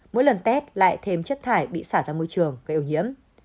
mỗi lần test lại thêm chất thải bị xả ra môi trường gây ưu hiếm